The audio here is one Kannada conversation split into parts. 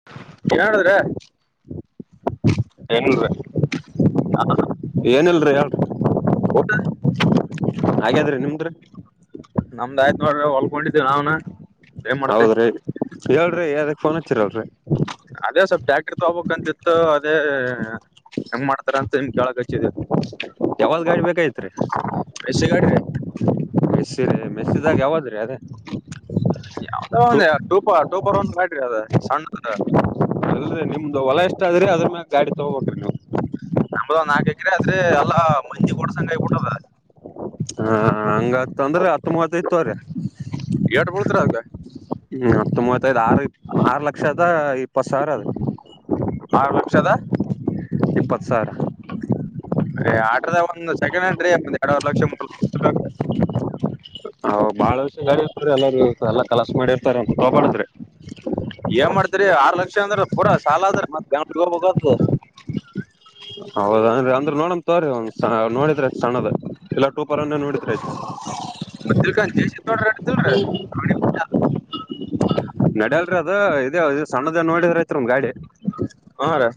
[inaudible] ಇಲ್ನೋಡುದ್ರೆ. ಏನ್ [unintelligible] ಹಾ ಏನಿಲ್ರಿ. [unintelligible] ಆಗ್ಯಾದ್ರಿ ನಿಮ್ದು? ನಮ್ದ ಆಯ್ತ್ ನೋಡ್ರಿ ಹೊಲ್ಕೊಂಡಿದೇವಿ ನಾವ್ನ. ಏನ್ ಮಾಡ್ತೆ ಹೌದ್ರಿ ಹೇಳ್ರಿ ಯದಕ್ ಫೋನ್ ಹಚ್ಚಿರಲ್ರಿ. ಅದೇ ಸ್ವಲ್ಪ ಟ್ಯಾಕ್ಟರ್ ತಗೋಬೇಕಂತಿತ್ತು ಅದೇ ಹೆಂಗ್ ಮಾಡ್ತಾರಂತ. ಅದ್ಕೆ ನಿಮ್ ಕೇಳಕ್ಕಚ್ಚಿದ್ವಿ. ಯಾವಾಗ ಗಾಡಿ ಬೇಕೈತ್ರಿ. ಮೆಸ್ಸಿ ಗಾಡ್ರಿ ಮೆಸಿರ ಮೆಸಿದಾಗ ಯಾವದ್ರೀ ಅದೇ. ಯಾವದೊ ಒಂದ ಟೂಪ ಟೂಪರ್ ಒಂದು ಮಾಟ್ರಿ ಅದ ಸಣ್ಣದ್. ಅಲ್ಲರೀ ನಿಮ್ದ್ ಹೊಲ ಅಷ್ಟ ಆದ್ರಿ ಅದ್ರ ಮ್ಯಾಗ ಗಾಡಿ ತೊಗೋ ಬೇಕ್ರಿ ನೀವು. ನಮ್ದ್ ನಾಕ ಎಕ್ರೆ ಆದ್ರೆ ಅಲ್ಲಾ ಮಂದಿ ಕೊಡ್ಸಂಗ ಹಾ ಹಂಗತ್ ಅಂದ್ರೆ ಹತ್ ಮೂವತ್ತೈದ್ ತಗೋರಿ. ಏಷ್ಟ್ ಬುಳ್ತದ್ರ ಅಂದ್ರ. ಹ್ಮ್ ಹತ್ತು ಮೂವತ್ತೈದು ಆರು ಇ ಆರು ಲಕ್ಷದ ಇಪ್ಪತ್ ಸಾವ್ರ ಅದ. ಆರ್ ಲಕ್ಷದ ಇಪ್ಪತ್ತು ಸಾವ್ರ. ಆಟ್ರದ ಒಂದು ಸೆಕೆಂಡ್ ಹ್ಯಾಂಡ ರೀ ಎರಡುವರ್ ಲಕ್ಷ ಮೂ [inaudible] ಓ ಬಹಳ ವರ್ಷ ಗಾಡಿ [unintelligible] ಇರ್ತಾರ ಎಲ್ಲಾರು ಎಲ್ಲಾ ಕಲಸ ಮಾಡಿರ್ತಾರ ಅಂತ ತಗಬಾಡದ್ರಿ. ಏನ್ ಮಾಡ್ತರಿ ಆರ್ ಲಕ್ಷ ಅಂದ್ರ ಪೂರಾ ಸಾಲ ಆದ್ರ ಮತ್ ಗಂ [unintelligible] ಹೋಗ್ಬೇಕು ಹೌದನ್ರಿ ಅಂದ್ರೆ ನೋಡನ್ ತೋರಿ ಒಂದ್ ನೋಡಿದ್ರಾತ್ ಸಣ್ಣದು ಎಲ್ಲಾ ಟೂಪರ್ನ್ನೇ ನೋಡಿದ್ರ ಆತು. ಹ [unintelligible] ನಡಯಲ್ರಿ ಅದು ಇದು ಈ ಸಣ್ಣದೆ ನೋಡಿದ್ರಾತ್ ನಮ್ ಗಾಡಿ. ಹಾ ರಿ.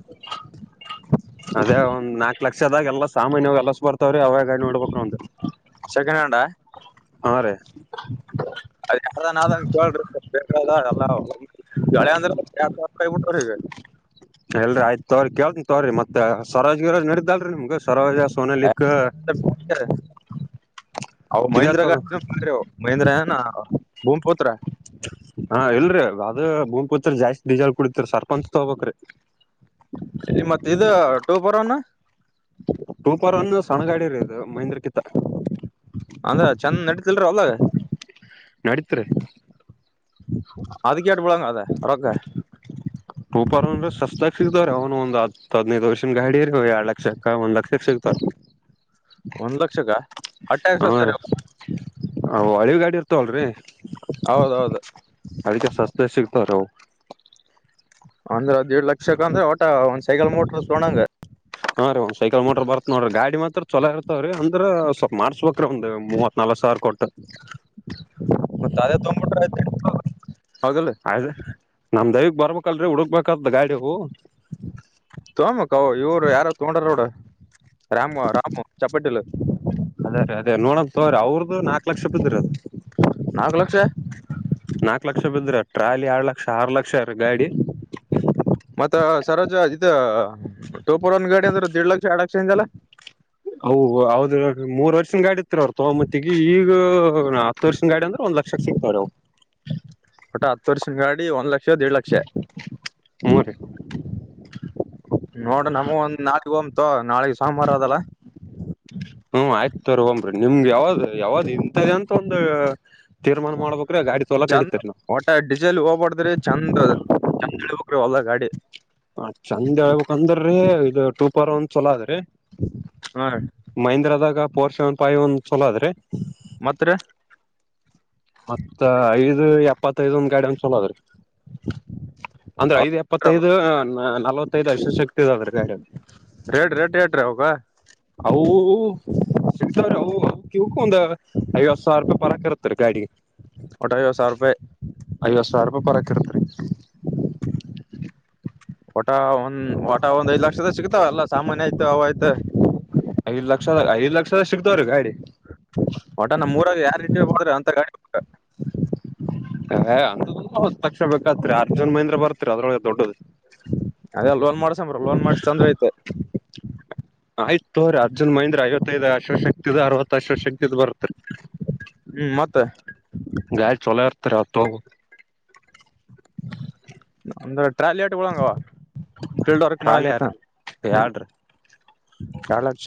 ಅದೇ ಒಂದ್ ನಾಲ್ಕ್ ಲಕ್ಷದಾಗ ಎಲ್ಲಾ ಸಾಮಾನ್ಯವಾಗಿ ಎಲ್ ಎಸ್ ಬರ್ತಾವ್ರೀ ಅವಾಗಾಗಿ ನೋಡ್ಬಬೇಕ್ರ ಒಂದ್. ಸೆಕಂಡ್ ಹ್ಯಾಂಡಾ. ಹಾದ್ ರೀ. ಅದ [unintelligible] ಕೇಳ್ರಿ ಬೇಕಾದಾದ ಎಲ್ಲ [unintelligible] ಎಲ್ರಿ ಆಯ್ತ ತ್ರರಿ ಕೇಳ್ತಿನ್ ತೋರಿ ಮತ್ತೆ ಸ್ವರಾಜ್ ಗಿರಾಜ್ ನಡ್ದಲ್ರಿ ನಿಮ್ಗೆ ಸ್ವರಾಜ. ಸೋನಲಿಕ್ಕೆ ಅವು ಇದೇ ಮಹೀಂದ್ರಾ ತಗೋ ಗಾಡಿ ಬ [unintelligible] ಮಹೇಂದ್ರ ಹ ನ ಭೂ ಪುತ್ರ. ಹಾ ಎಲ್ರರಿ ಅದ ಭೂಮಪುತ್ರಿ ಜಾಸ್ತಿ ಡೀಜಾಲ್ ಕುಡತ್ರಿ ಸರ್ಪಂಚ್ ತಗಬೇಕ್ರಿ. ನಿ ಮತ್ ಇದು ಟೂಪರೋನು. ಟೂಪರ್ ಒನ್ ಸಣ್ಣಗಾಡಿ ರ ಇದು ಮಹೀಂದ್ರ ಕಿತ್ತ ಅಂದ್ರ ಚಂದ ನಡತಿಲ್ರ ಅವಲಾಗ ನಡೀತ್ರಿ ಅದಕ್ಕೆೇಟ ಬಿಳಂಗ ಅದ ರೊಕ್ಕ ಡೂಪರ್ ಅಂದ್ರೆ ಸಸ್ತಾಗಿ ಸಿಗತವ ಅವನು ಒಂದ್ ಹದನೈದು ವರ್ಷನ್ ಗಾಡಿ ಇ ಎರಡ್ ಲಕ್ಷಕ್ಕ ಒಂದ್ ಲಕ್ಷಕ್ಕ ಸಿಗ್ತವರಿ ಒಂದ್ ಲಕ್ಷಕ್ಕ ಅಟ್ಯಾಗ ಸಸ್ತಾರಿ ಹರಿ ಅವ್. ಅವು ಹಳಿ ಗಾಡಿ ಇರ್ತವಲ್ರಿ ಹೌದೌದು ಅದಕ್ಕೆ ಸಸ್ತೆ ಸಿಗ್ತಾರಿಅವು ಅಂದ್ರ ದಿಡ್ ಲಕ್ಷಕ್ಕ ಅಂದ್ರೆ ಒಟ ಒಂದ್ ಸೈಕಲ್ ಮೋಟ್ರ ತಗೋಂಡಗ ಹಾ ರೀ ಒಂದ ಸೈಕಲ್ ಮೋಟರ್ ಬತ ನೋಡ್ರಿ ಗಾಡಿ ಮಾತ್ರ ಚಲೋ ಇರ್ತಾವ ರೀ ಅಂದ್ರ ಸ್ವಲ್ಪ ಮಾಡ್ಸ್ಬೇಕ್ರೀ ಒಂದ ಮೂವತ್ ನಾಲ್ಕತ ಸಾವಿರ ಕೊಟ್ಟ ಮತ್ತ ಅದೇ ತಗೊಂಡ್ ಬಿಟ್ಟರಾಆಯ್ತು ಹೌದಿಲ್ಲ ಆಯದು ನಮ್ ದೈವಗ್ ಬರ್ಬೇಕಲ್ರರಿ ಹುಡ್ಕ್ಬೇಕತ್ ಗಾಡಿ ಅವು ತೋಮ ಗಬೇಕ ಇವರು ಯಾರೋ ತಗೋಂಡ್ರ ರಾಮ ರಾಮು ಚಪಾಟ್ಟಲು ಅದೇ ರೀ ಅದೇ ನೋಡಂತ ತೋರಿ ಅವ್ರದ್ದು ನಾಕ್ ಲಕ್ಷ ರೂಪಾಯಿದ್ರ ಅದು ನಾಲ್ಕು ಲಕ್ಷ ನಾಕ್ ಲಕ್ಷ ಬಿದ್ರ ಟ್ರಾಲಿ ಎರಡ ಲಕ್ಷ ಆರು ಲಕ್ಷ ರ ಗಾಡಿ ಮತ್ತ ಸರೋಜ ಇದ ಟೋಪರ್ ಒನ್ ಗಾಡಿ ಅಂದ್ರೆ ದಿಡ್ ಲಕ್ಷ ಎರಡ್ ಲಕ್ಷಿಂದಲ್ಲ ಹ ಹೌದ ಮೂರ್ ವರ್ಷದ ಗಾಡಿತ್ತ ತಗೋ ಮತ್ತ ಈ ಈಗ್ ಈ ಹತ್ತು ವರ್ಷ ಗಾಡಿ ಅಂದ್ರೆ ಒಂದ ಲಕ್ಷಕ್ಕ ಸಿಗ್ತವ್ರವು ಒಟ್ಟ ಹತ್ತು ವರ್ಷ ಗಾಡಿ ಒಂದ್ ಲಕ್ಷ ದಿಡ್ ಲಕ್ಷ ಹ್ಮ್ ರೀ ನೋಡ್ರ ನಮ ಒಂದ್ ನಾಲ್ಕ ಒಮಂತು ನಾಳಗ್ ಸೋಮವಾರ ಅದಲ್ಲ ಹ್ಮ್ ಆಯ್ತ ತ್ರೋಒಂಬ್ರಿ ನಿಮ್ಗೆ ಯಾವ್ದ್ ಯಾವ್ದ್ ಇಂಥದ ಅಂತ ಒಂದು ತೀರ್ಮಾನ ಮಾಡ್ಬೇಕುರಿ ಆ ಗಾಡಿ ತೋಲಕ್ ಚಂದ್ ನಡೀತರಿ ಒಟ ಡಿಸೆಲ್ ಹೋಗ್ಬಾರಡ್ದ್ರಿ ಚಂದ್ ಚಂದ್ ಇಬೇಕ್ರಿ ಒಲ್ಲ ಗಾಡಿ ಹ ಚೆಂದ ಹೇಳ್ಬೇಕಂದ್ರೆ ಇದು ಟೂ ಪರ್ ಒಂದ ಚಲೋ ಅದ್ರಿ ಹಾ ಮಹೀಂದ್ರದಾಗ ಫೋರ್ ಸೆವನ್ ಫೈವ್ ಒಂದ ಚಲೋ ಅದ್ರಿ ಮತ್ತರೀ ಮತ್ತ ಐದು ಎಪ್ಪತ್ತಐದ ಒಂದ ಗಾಡಿ ಅಂದ ಚಲೋ ಅದ್ರೀ ಅಂದ್ರೆ ಐದ್ ಎಪ್ಪತ್ತೈದು ನಲ್ವತ್ತೈದು ಅಐಶ ಶಕ್ತಿ ಅದ್ರಿ ಗಾಡಿ ಅದ ರೇಟ್ ರೇಟ್ ರೇಟ್ ಎಟ್ರಿ ಅವರದ ಹೌದು ಸಿಕ್ತಾ ಅವು [unintelligible] ಐವತ್ತು ಸಾವಿರ ರೂಪಾಯಿ ಪರ ಇರುತ್ತ ರ ಗಾಡಿಗೆ ಒಟ ಐವತ್ ಸಾವಿರ ರೂಪಾಯಿ ಐವತ್ತು ಸಾವಿ ರೂಪಾಯಿ ಪರಕಿರ್ತ್ರಿರೀ ಓಟ ಒಂದ್ ಒಟ ಒಂದ್ ಐದ ಲಕ್ಷದ ಸಿಗ್ತಾವಲ್ಲ ಸಾಮಾನ್ಯ ಆಯ್ತು ಅವ ಆಯ್ತು ಐದ್ ಲಕ್ಷದ ಐದ್ ಲಕ್ಷದಾಗ ಸಿಗ್ತವ್ರೀ ಗಾಡಿ ಒಟ ನಮ್ಮೂರಾಗ ಯಾರ್ ರೀ ಇಡ್ರೆಬಾರದ ಅಂತ ಗಾಡಿ ಹ ಅ ಹತ್ತ ಲಕ್ಷಾ ಬೇಕಾಗತ್ತರಿ ಅರ್ಜುನ್ ಮಹೇಂದ್ರ ಬರ್ತೀರಿ ಅದ್ರೊಳಗೆ ದೊಡ್ಡದು ಅದ ಲೋನ್ ಮಾಡ್ಸಂಬ್ರೀ ಲೋನ್ ಮಾಡಸ ತಂದ್ರ ಆಯಿತ ಆಯ್ತ ತೋರಿ ಅರ್ಜುನ್ ಮಹೇಂದ್ರ ಐವತ್ತೈದ ಆ ಶಷ ಇದ ಅರವತ್ತು ಅಶ್ವಶಕ್ತಿ ಬರುತ್ತೆ ಹ್ಮ್ ಮತ್ ಗಾಡಿ ಚಲೋ ಇರತರಿ ಅದ ತಗೋಬೇಕ್ರಿ ಅಂದ್ರ ಟ್ರ್ಯಾಲಿ ಎಟ ಬೀಳಂಗವ ಫೀಲ್ಡ್ ವರ್ಕ್ ಟ್ರಾಲಿ ಯಾರ ಮಾಡಂಗಿತ್ತ ಯಾಡ್ರಿ ಎರಡ್ ಲಕ್ಷ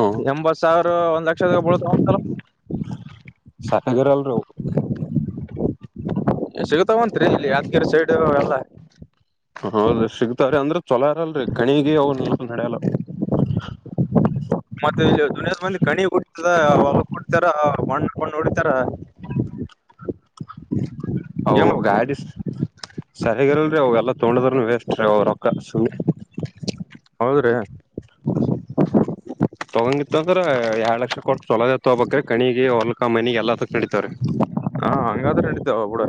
ಹ್ಮ ಎಂಬತ್ ಸಾವಿರ ಒಂದ್ ಲಕ್ಷದ ಬುಳತ್ತವಂತಲ್ ಸರ್ಯಾಗಿರಲ್ರಿವು ಸಿಗತಾವಂತ್ರಿ ಇಲ್ಲಿ ಯಾದಗಿರಿ ಸೈಡ್ ಎಲ್ಲ ಹೌದ ಸಿಗ್ತಾವ ರಿ ಅಂದ್ರ್ ಚೊಲೊ ಇರಲ್ರರಿ ಕಣಿಗ ಅವು ನಡೆಲ್ಲ [unintelligible] ಮತ್ತ ಇದುನೆದ್ ಮಂದಿ ಕಣಿಗ ಬುಡ್ತದ ಹೊಲಕ ಬುಡ್ತಾರ ಮಣ್ಣ ಪಣ್ಣ ಹೊಡಿತಾರ ಅವ್ ಏನ್ ಮಾಡ್ಬೇಕು ಗಾಡಿ ಸರ್ಯಾಗಿರಲ್ರಿ ಅವು ಎಲ್ಲಾ ತೊಂಡದ್ರನ್ ವೇಸ್ಟ್ ರೀ ಅವ ರೊಕ್ಕ ಸುಮ್ಮೆ ಹೌದ್ರಿ ತೊಗಂಗಿತ್ತ ಅಂದ್ರ ಎರಡ್ ಲಕ್ಷ ಕೊಟ್ಟ್ ಚೊಲೋದೆ ತೊಗಬೆಕ್ರಿ ಕಣಿಗೆ ಹೊಲ್ಕ ಮನಿಗಿ ಎಲ್ಲಾದಕ ನಡಿತವರೀ ಹಾ ಹಂಗಾದ್ರ ನಡಿತಾವ ಬುಡ್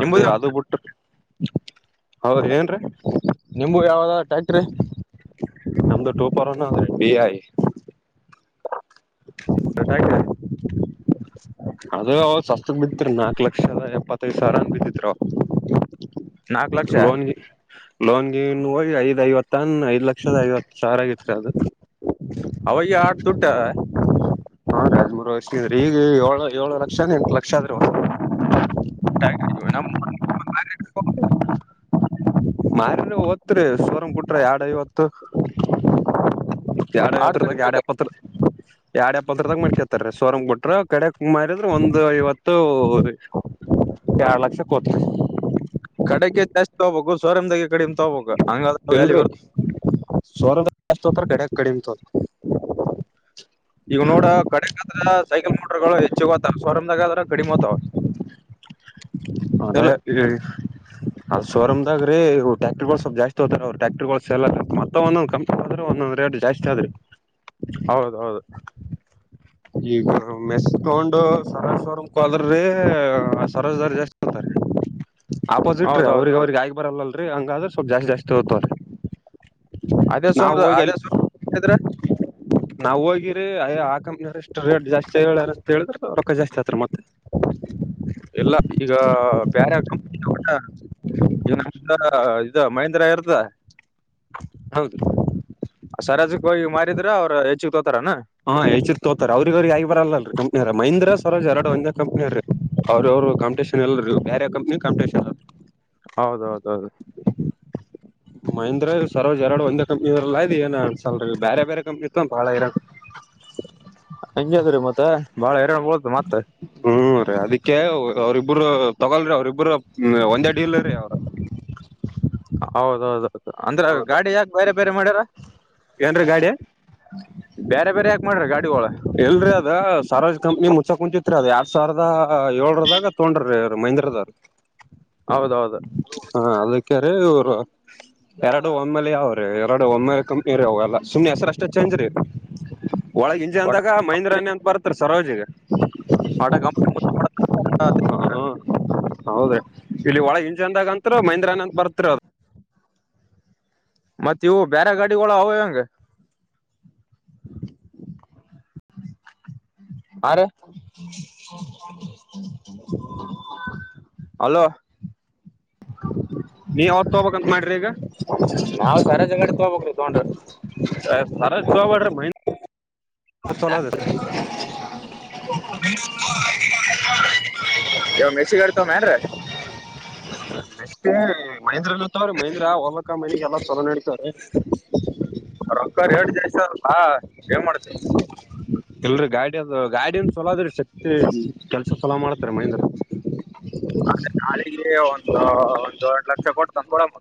ಅದೆ ನಿಂಬುದ ಅದು ಬುಟ್ಟ್ ಹೌದ್ರಿ ಏನ್ರೀ ನಿಮ್ಬವ ಯಾವದದ್ ಟ್ರ್ಯಾಕ್ಟ್ರಿ ನಮ್ದು ಟೂ ಫೋರ ಒನ್ನ ಆದ್ರಿ ಡಿ ಐ [inaudible] [unintelligible] ಅದ್ ಅವಾಗ ಸಸ್ತ್ಕ ಬಿತ್ರಿ ನಾಲ್ಕ್ ಲಕ್ಷದ ಎಪ್ಪತ್ ಸಾವಿರ ಏನ್ ಬಿದ್ದಿತ್ರಿ ನಾಕ್ ಲಕ್ಷ ಅವಾಗ ಲೋನ್ ಗಿನ ಲೋನ್ ಗಿನ್ ಹೋಗಿ ಐದ್ ಐವತ್ತೆನ್ ಐದ್ ಲಕ್ಷದ ಐವತ್ತ್ ಸಾವಿರ ಆಗಿತ್ರಿ ಅದ್ ಅವಾಗೆ ಆಟ್ ತುಟ್ಟ್ ಹ್ಮ್ ರೀ ಹದಿಮೂರು ವರ್ಷನಗ ರೀ ಈಗ ಏಳು ಏಳು ಲಕ್ಷ ಏನ್ ಎಂಟ ಲಕ್ಷ ಆದ್ರಿ ಒ ನಮ್ಮ [unintelligible] [unintelligible] ಮಾರಿರ್ ಹೊತ್ತದ್ರಿ ಶೋರೂಮ್ ಬಿಟ್ರ ಎಡಐವತ್ತು ಎಡ್ ಆಡ್ ಐವತ್ತರದಾಗ ಎಡ್ ಕಡಿಮ್ಯಾಗ ಎಪ್ಪತ್ರ ಎಡ್ ಎಪ್ಪತ್ತರದಾಗ ಮಡಕತ್ತಾರಿ ಸೋರ್ಂಗ್ ಬಿಟ್ಟ್ರ ಕಡ್ಯಾಕ್ ಮಾರಿದ್ರ ಒಂದು ಐವತ್ತು ಎರಡ್ ಲಕ್ಷ ಕೊತ ಕಡೆಕೆ ಜಾಸ್ತಿ ತೊಗಬೇಕು ಸೋರಮದಾಗೆ ಕಡಿಮ ಎಲ್ರಿ ಸೋರಂದಾಗೆ ಜಾಸ್ತಿ ತೊತ್ತಾರ್ ಕಡ್ಯಕ್ ಕಡಿಮ ತೊತ್ತರ ಈಗ ನೋಡ ಕಡೆಕಂದ್ರ ಸೈಕಲ್ ಮೋಟರ್ಗಳು ಹೆಚ್ಚಗೋತಾವ ಸೋರುಮದಾಗ ಆದ್ರ ಕಡಿಮ ಹೊತಾವ ಅದೇ ಈ ಅದು ಸೋರುಂದಾಗ್ರೀ ಟ್ಯಾಕ್ಟಿರ್ಗಳು ಸ್ವಲ್ಪ್ ಜಾಸ್ತಿ ಹೊತ್ತಾವ್ರಿ ಟಕ್ಟರಿಗಳ ಸೆಲ್ ಮತ್ತ ಒಂದೊಂದ ಆದ್ರೂ ಒಂದೊಂದ್ ರೇಟ್ ಜಾಸ್ತಿ ಆದ್ರಿ ಹೌದೌದು ಈಗ ಮೆಸ್ಕೊಂಡು ಸರೋಜ ಶೋರುಂಕವಾದರಿ ಸರೋಜದರಿ ಜಾಸ್ತಿ ಕೊಡತಾರಿ [inaudible] ಆಪೋಸಿಟ್ ರೀ ಹೌದೌದು ಅವ್ರಿಗ ಹೌದು ಅವ್ರಿಗ ಆಗಿ ಬರಲ್ಲಲ್ರರಿ ಹಂಗಾದ್ರ ಸ್ವಲ್ಪ ಜಾಸ್ತಿ ಜಾಸ್ತಿ ತೋತ್ತರೀ ಅದೇ ನಾವ್ ಸೋಮ್ರ ಅದೇ ಹೋಗಲ್ಲಿ ಸೋಮ್ರ ಇದ್ರ ನಾವ ಹೋಗಿರಿ ಏ‌ ಆ ಕಂಪನಿಯರ ಎಷ್ಟ್ ರೇಟ್ ಜಾಸ್ತಿ ಹೇಳಾರ ಅಂತ ಹೇಳಿದ್ರ ರೊಕ್ಕ ಜಾಸ್ತಿ ಹೇಳತ್ರ ಮತ್ತ ಎಲ್ಲ ಈಗ ಬ್ಯಾರೆ ಕಂಪನಿ [unintelligible] [unintelligible] ಇದು ಮಹೇಂದ್ರ ಇರತ್ತದ್ ಹೌದ್ರೀ ಸರಾಜಕ್ ಹೋಗಿ ಮಾರಿದ್ರ ಅವ್ರ ಹೆಚ್ಚಿಗ್ ತೋತಾರನ್ ಹ್ಮ ಹೆಚ್ಚಿಗ್ ತೋತರೀ ಅವ್ರಿಗ ಅವ್ರಿಗ ಹಾಗಿಬರಲ್ಲಲ್ರಿ ಕಂಪನಿರ ಮಹೀಂದ್ರ್ ಸ್ವರಾಜ್ ಎರಡು ಒಂದೆ ಕಂಪನೆರೀ ಅವ್ರರು ಅವರು ಕಂಪಿಟಷನ್ ಎಲ್ ಬೇರೆ ಕಂಪ್ನಿ ಕಂಿಟಷನ್ ಹೌದೌದೌದು ಮಹಂದ್ರ ಸರೋ್ ಎರಡು ಒಂದೇ ಕಂಪ್ನಿರಲ್ಲ ಇದ್ ಏ ಅನ್ಸಲ್ರಿೀ ಬೇರೆ ಬೇರೆ ಕಂಪ್ನಿತ್ ಬಾಳ ಇರ ಹಂಂಗದೀ ಮತ್ತತ್ ಬಾಳ ಎರಡಡು ಬಳ ಮತ್ತತ್ ಹ್ಮ್ ರರಿ ಅದಕ್ಕೆ ಅವ್ರಿಬ್ಬರು ತಗೋಲ್ರಿ ಅವ್ರಿಬ್ಬರು ಒಂದೇಡ್ಡಿ ಇಲ್ರರಿ ಅವ್ರರು ಹೌದೌದೌದು ಅಂದ್ರ ಹೌದ ಗಾಡಿ ಯಾಕೆ ಬೇರೆ ಬೇರೆ ಮಾಡ್ಯಾರ ಏನ್ರೀ ಗಾಡಿ ಬೇರೆ ಬೇರೆ ಯಾಕಕ್ ಮಾಡ್ರಿ ಗಾಡಿಗಳೋಳ ಎಲ್ರರಿ ಅದ ಸರವಾಜ್ ಕಂಪ್ನಿ ಮುಚ್ಚಾಕ್ ಕು ಮುಂಚಿತ್ರಿ ಅದ ಎರಡ್ ಸಾವಿರದ ಏಳರದಾಗ ತೋೊಂಡ್ರೀ ಅವ ಮಹಂದ್ರದ್ರರು ಹೌದೌದು ಹಾ ಅದಕ್ಕೆಾರೆ ಇಊರು ಎರಡು ಒಮ್ಮೇಲಿ ಯಾವ್ರೀ ಎರಡು ಒಮ್ಮೇಲೆ ಕಂಪ್ನಿ ರೀ ಹೋಗಲ್ಲ ಸುಮ್ನೆ ಹೆಸರು ಅಷ್ಟೇ ಚೇಂಜ್ ರೀ ಒಳಗ್ ಇಂಜ ಒಟ ಅಂದಾಗ ಮಹಂದ್ರಾನಿ ಅಂತ ಬರ್ತಾರೆ ಸರೋಜಿಗೆ ಪಾಠ ಕ ಹ್ಮ ಹೌದ ಇಲ್ಲಿ ಒಳಗ ಹಿಂಜಂದದಾಗಂತ್ರ ಮೈಂದ್ರನಂತ ಬರ್ತರ ಅದ ಮತ್ತೆ ಇವು ಬೇರೆ ಗಾಡಿಗಳ ಅವಂಗೆ ಆ ರ ಅಲೋ ನೀ ಅವತ್ ತಗಬೇಕಂತ ಮಾಡ್ರಿ ಈಗ ನಾವ್ ಸರಜ ಗಾಡಿ ತಗೋಬೇಕ್ರಿ ತಗೊಂಡ್ರ ಸಾರ ತ ಮಾಡ್ರ ಮ ಚಲ [inaudible] ಯವ ಮೆಸಿಗಡ್ ತತ ಮ್ಯಾನ್ೀ ನೆಕ್ ಮಹೀಂದ್ರನ್ ಇರ್ತವ್ರೀ ಮಹೀಂದ್ರಾ ಹೋಲಕ್ಕ ಮನಿಗೆ ಎಲ್ಲಾ ಚಲೋ ನಡಿತವ್ರೀ ರೊಕ್ಕರ್ ಹೇಳ ಜಯ್ ಸರ್ ಹಾ ೇ ಮಾಡ್ತ ಎಲ್ರಿ ಗಾಡ ಗಾಡನ್ ಚಲೋ ಅದ್ರಿ ಶಕ್ತಿ ಕೆಲ್ಸ ಚಲೋ ಮಾಡ್ತಾರ ಮಹಂದ್ರ ಆದ್ರೆ ನಾಳೆಗೆ ಒಂದ ಒಂದ ಎರಡ್ ಲಕ್ಷ ಕೊಟ್ಟು ತಂದೊಡ ಮ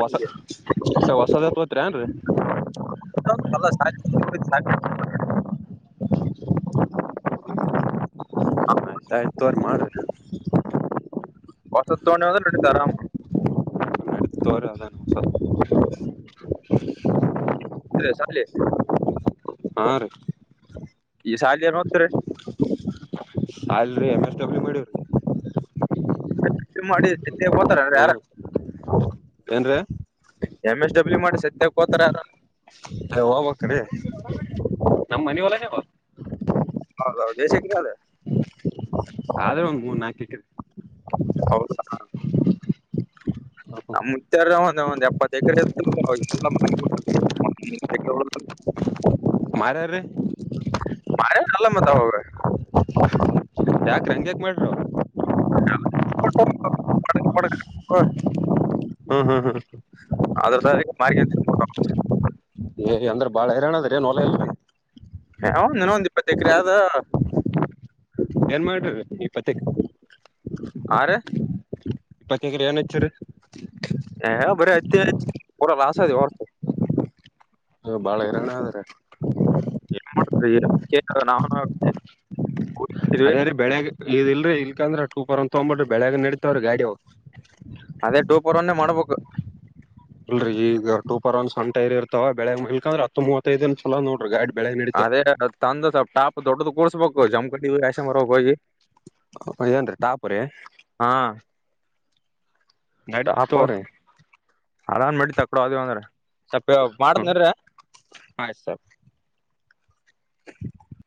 ಹೊಸ ಹೊಸದತ್ೋತ್ರಿ ಏನ್ೀ ಚಲ ಸ ಆಯ್ತ್ ತೋರ್ ಮಾಡ್ರಿ ಹೊಸ ತೋಣಿಂದ ನಡ್ ತರಾಮ ಎತೋರ ಅದಾನಸ [unintelligible] ಹಾ ರೀ ಈ ಶಾಲಿ ಏನ್ ಹತ್ರಿ ಅಲ್ರಿ ಎಮ ಎಸ್ ಡಬ್ಲ್ಯೂ ಮಾಡರಿ ಮಾಡಿ ಎತ್ತ ಹೋತಾರ ಯಾರ ಏನ್ ರೀ ಎಂ ಎಸ್ ಡಬ್ಲ್ಯೂ ಮಾಡಿ ಸತ್ಯಕ್ಕೆೋತಾರ ಅ ಹೋಗ್್ರೀ ನಮ್ಮ ಮನ ಹೊಲಾವ ಹೌದದು ದೇಶಕ್ಕ ಅದೆ ಆದ್ರೆ ಒಂದ್ ಮೂ ನಾಕ ರ ಹೌದು ಹಾ ನಮ್ ಮುತ್ಯ ಒಂದ ಎಪ್ಪತ್ತ ಎಕರೆ ಇತ್ತು [unintelligible] ಮಾರ ರೀ ಮಾರ ನಲ್ಲ ಮತ್ತ ಅವರು ಯಾಕ ಹಂಗ್ಯಾಕ ಮಾಡ್ರರು ಕೊಟ್ಟು ಪಡ್ಕ ಪಡ್ಕ ಹ್ಮ್ ಹ್ಮ್ ಹ್ಮ್ ಆದದ್ರ ಸ ಮ ಅಂತ [unintelligible] ಏ ಅಂದ್ರ ಬಾಳ ಹರಣದ ಲಾ ಹನ ಒಂದ್ ಇಪ್ಪತ್ತು ಎಕರೆ ಆದಾವ ಏನ್ ಮಾಡಿರಿ ಇಪ್ಪತ್ತ ಆರೆ ಇಪ್ಪತ್ತು ಎಕರೆ ಏನು ಅಚ್ಚಿರಿ ಹ ಬರೆ ಹತ್ತಿ ಹಚ್ಚಿ ಪುರ ಲಾಸ್ ಆದಿಯೋ ಹ ಬಾಳ ಐರಣ ಆದ ರಾಜಕೀಯ ಏನ್ ಮಾಡ್ರ ನಾ [unintelligible] ಅದೇದೀ ಬೆಳಗ್ ಇಲ್ರಿ ಇಲ್ಕ ಅಂದ್ರ ಟಪರ್ ಅಂತ ತಗ್ಬ ಬಿರಿ ಬೆಳಗ್ ನಡತಾವ್ರಿ ಗಾಡಿವು ಅದೇ ಟೂ ಪರ್ ಒನ್ನೇ ಮಾಡ್ಬೇಕು ಇಲ್ರರಿ ಈಗ ಟೂಪರ್ ಒನ್ ಸಟ ಇರ್ವ ಬೆಳಗ್ಗೆಗಲ್ಕ ಅಂದ್ರ ಹತ್ವತ್ತೈಐದ ಅನ್ ಸಲ ನೋಡಿ ಗಾಡಿ ಬೆಳ್ಯಾಗ ನಡಿತಾವ ಅದೇ ತಂದ ಸ್ವಪ್ ಟಾಪ್ ದೊಡ್ಡದ ಕೂರ್ಸ್ಬೇಕು ಜಮ್ಕಡಿ ಯಶ ಮರಾಗ ಹೋಗಿ ನ್ರಿ ಟಾಪುರೆ ಹಾ ಪಾಪು ಪಾಪು ನಡಿತಾವ್ರಿ ಅದಾನ್ ಮಾಡಿ ತಕಡ ಅದವ ಅಂದ್ರೆ ಸ್ಪ ಮಾಡನ್ರ ಹಯ ಸರ್ [unintelligible]